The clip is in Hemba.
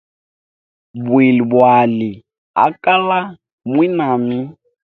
Bwili bwali akala mwinami.